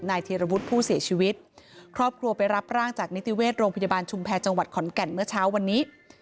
ธีรวุฒิผู้เสียชีวิตครอบครัวไปรับร่างจากนิติเวชโรงพยาบาลชุมแพรจังหวัดขอนแก่นเมื่อเช้าวันนี้